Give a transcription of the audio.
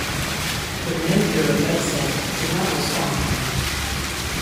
The manager of Edsel did not respond.